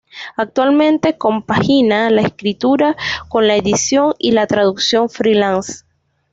Actualmente compagina la escritura con la edición y la traducción "freelance.